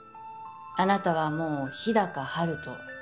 あなたはもう日高陽斗